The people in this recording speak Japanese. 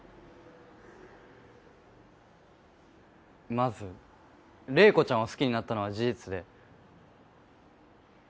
まず怜子ちゃんを好きになったのは事実で。